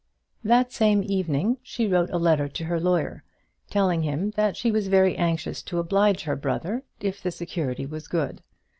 That same evening she wrote a letter to her lawyer, telling him that she was very anxious to oblige her brother, if the security was good.